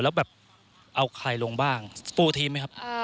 แล้วแบบเอาใครลงบ้างสปูทีมไหมครับ